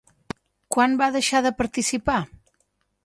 Quan va deixar de participar?